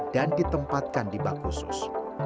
dan ditempatkan di bak khusus